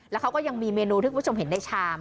แล้วเขาก็ยังมีเมนูที่คุณผู้ชมเห็นในชาม